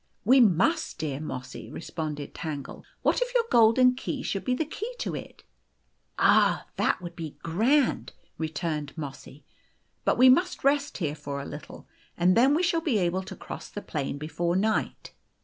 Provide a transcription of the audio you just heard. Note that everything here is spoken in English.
/ "We must, dear Mossy/ 1 responded Tangle. "What if your golden key should be the key to ///' u Ah ! that would be grand," returned Mossy. "But we must rest here for a little, and then we shall be able to cross the plain before night."